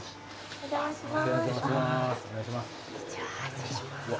お邪魔します。